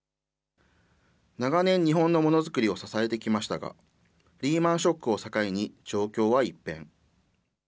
長年、日本のモノづくりを支えてきましたが、リーマンショックを境に状況は一変。